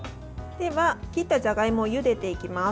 切ったじゃがいもをゆでていきます。